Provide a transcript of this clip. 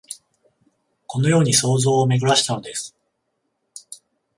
このように想像をめぐらしたのです